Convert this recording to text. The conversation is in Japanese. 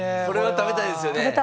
これは食べたいですよね。